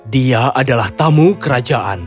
dia adalah tamu kerajaan